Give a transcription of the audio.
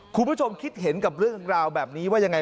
คุณผู้ชมคิดเห็นกับเรื่องราวแบบนี้ว่ายังไง